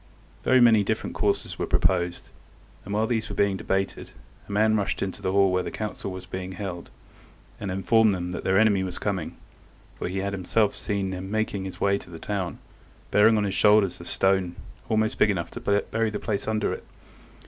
Very many different courses were proposed, and while these were being debated a man rushed into the hall where the council was held, and informed them that their enemy was coming, for he had himself seen him making his way to the town, bearing on his shoulder a stone almost big enough to bury the place under it.